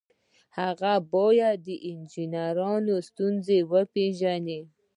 هغه باید د انجنیری ستونزې وپيژني.